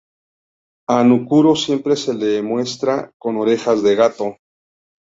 A Nakuru siempre se le muestra con orejas de gato.